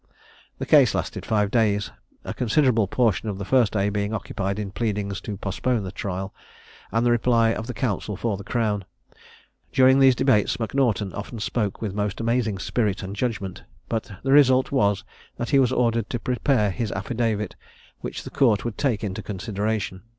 The case lasted five days, a considerable portion of the first day being occupied in pleadings to postpone the trial, and the reply of the counsel for the crown. During these debates M'Naughton often spoke with most amazing spirit and judgment; but the result was, that he was ordered to prepare his affidavit, which the Court would take into consideration.